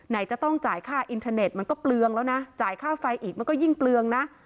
ไหนจะต้องจ่ายค่าอินเทอร์เน็ตมันก็เปลืองแล้วนะจ่ายค่าไฟอีกมันก็ยิ่งเปลืองนะ